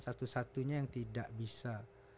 satu satunya yang tidak bisa